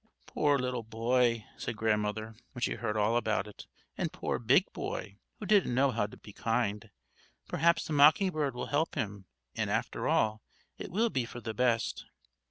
"Poor little boy!" said Grandmother, when she had heard all about it; "and poor big boy, who didn't know how to be kind! Perhaps the mocking bird will help him, and, after all, it will be for the best."